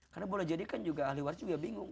karena boleh jadikan juga ahli waris juga bingung